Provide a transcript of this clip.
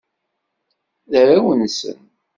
D arraw-nsen.